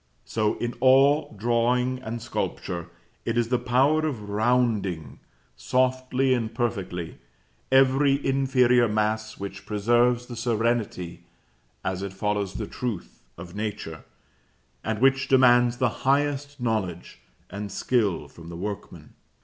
So, in all drawing and sculpture, it is the power of rounding, softly and perfectly, every inferior mass which preserves the serenity, as it follows the truth, of Nature, and which demands the highest knowledge and skill from the workman.